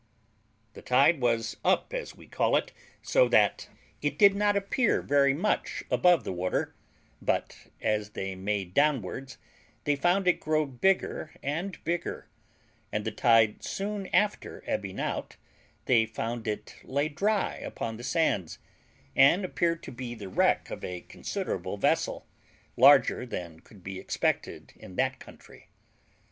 The tide was up, as we call it, so that it did not appear very much above the water, but, as they made downwards, they found it grow bigger and bigger; and the tide soon after ebbing out, they found it lay dry upon the sands, and appeared to be the wreck of a considerable vessel, larger than could be expected in that country.